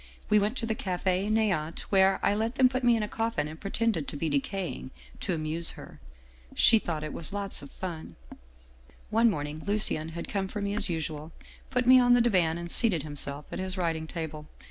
We went to the Cafe " Neant," where I let them put me in the coffin and pretend to be decaying, to amuse her. She thought it was lots of fun.' " One morning Lucien had come for me as usual, put me on the divan, and seated himself at his writing table.